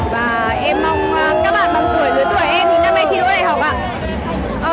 và em mong các bạn bằng tuổi dưới tuổi em thì năm nay thi đấu đại học ạ